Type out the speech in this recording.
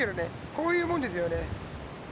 こういうもんですよね。